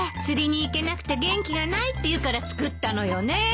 釣りに行けなくて元気がないっていうから作ったのよね。